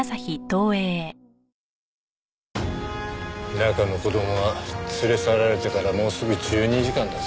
中の子供は連れ去られてからもうすぐ１２時間だぞ。